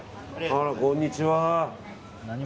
あら、こんにちは。